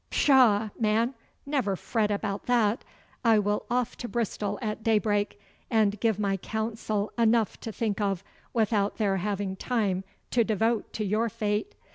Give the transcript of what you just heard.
'Pshaw, man! Never fret about that! I will off to Bristol at daybreak, and give my council enough to think of without their having time to devote to your fate.